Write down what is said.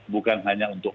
bukan hanya untuk